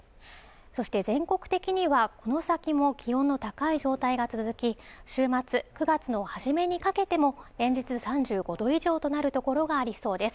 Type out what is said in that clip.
そして全国的にはこの先も気温の高い状態が続き週末９月の初めにかけても連日３５度以上となる所がありそうです